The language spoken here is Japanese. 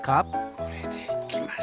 これでいきます。